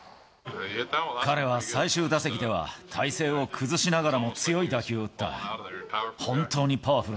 彼は最終打席では、体勢を崩しながらも強い打球を打った。